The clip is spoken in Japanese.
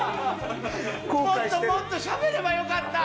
もっともっとしゃべればよかった！